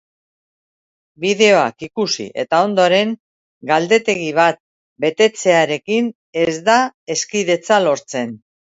Bideoak ikusi eta ondoren galdetegi bat betetzearekin ez da hezkidetza lortzen.